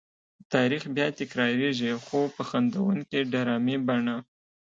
تاریخ بیا تکرارېږي خو په خندوونکې ډرامې بڼه.